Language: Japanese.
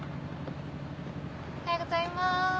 おはようございます。